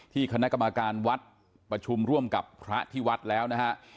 คณะกรรมการวัดประชุมร่วมกับพระที่วัดแล้วนะฮะ